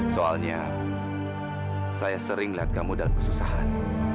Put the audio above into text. soalnya saya sering lihat kamu dalam kesusahan